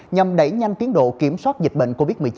nhằm đẩy nhanh tiến độ kiểm soát dịch bệnh covid một mươi chín